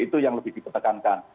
itu yang lebih dipertekankan